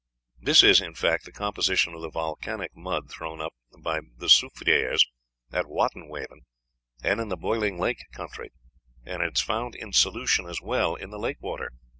This is, in fact, the composition of the volcanic mud thrown up by the soufrières at Watton Waven and in the Boiling Lake country, and it is found in solution as well in the lake water.